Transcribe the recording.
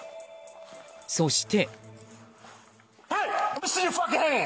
そして。